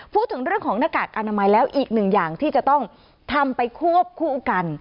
พูดถึงเรื่องของหน้ากากอนามัยแล้วอีกหนึ่งอย่างที่จะต้องทำไปควบคู่กัน